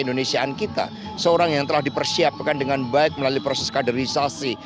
indonesiaan kita seorang yang telah dipersiapkan dengan baik melalui proses kaderisasi